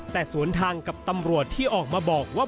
แต่สวนทางกับตำรวจที่ออกมาบอกว่า